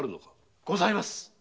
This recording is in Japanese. ございます。